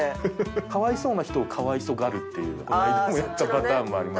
かわいそうな人をかわいそうがるっていうこの間もやったパターンもありますし。